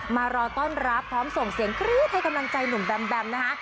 มารอต้อนรับพร้อมส่งเสียงกรี๊ดให้กำลังใจหนุ่มแบมแบมนะคะ